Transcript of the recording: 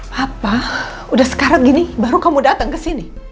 papa udah sekarang gini baru kamu datang kesini ya